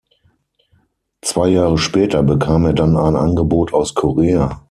Zwei Jahre später bekam er dann ein Angebot aus Korea.